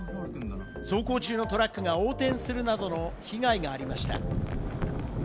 走行中のトラックが横転するなどの被害がありました。